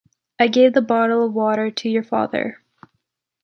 I gave the bottle of water to your father.